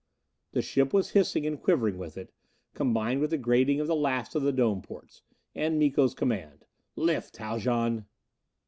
The ship was hissing and quivering with it, combined with the grating of the last of the dome ports. And Miko's command: "Lift, Haljan."